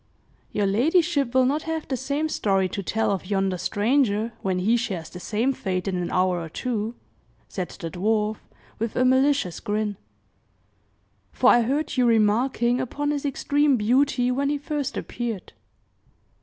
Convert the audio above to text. "Your ladyship will not have the same story to tell of yonder stranger, when he shares the same fate in an hour or two!" said the dwarf, with a malicious grin; "for I heard you remarking upon his extreme beauty when he first appeared."